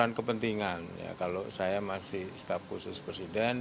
karena kepentingan ya kalau saya masih staff khusus presiden